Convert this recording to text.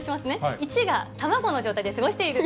１が卵の状態で過ごしている。